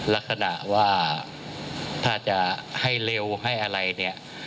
ลักษณะว่าถ้าจะให้เร็วให้อะไรเนี่ย